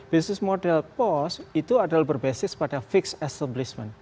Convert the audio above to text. business model post itu adalah berbasis pada fixed establishment